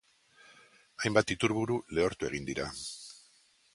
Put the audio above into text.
Hainbat iturburu lehortu egin dira.